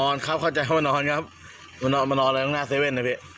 ครับเข้าใจว่ามานอนครับมานอนมานอนอะไรตรงหน้าเซเว่นนะพี่